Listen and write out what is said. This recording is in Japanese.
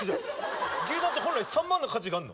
牛丼って本来３万の価値があんの。